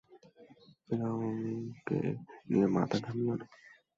ফিওরনেরকে নিয়ে মাথা ঘামিয়ো না।